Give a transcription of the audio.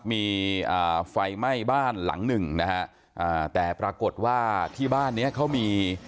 มีอ่าไฟไหม้บ้านหลังหนึ่งนะฮะอ่าแต่ปรากฏว่าที่บ้านเนี้ยเขามี